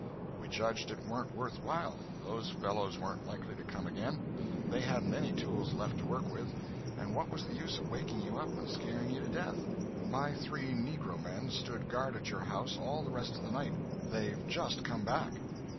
"We judged it warn't worth while. Those fellows warn't likely to come again—they hadn't any tools left to work with, and what was the use of waking you up and scaring you to death? My three negro men stood guard at your house all the rest of the night. They've just come back."